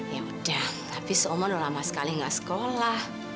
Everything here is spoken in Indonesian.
yaudah tapi seumur lama sekali nggak sekolah